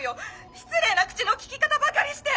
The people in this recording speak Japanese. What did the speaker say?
失礼な口の利き方ばかりして！